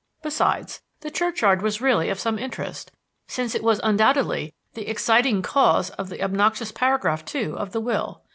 Besides, the churchyard was really of some interest, since it was undoubtedly the "exciting cause" of the obnoxious paragraph two of the will.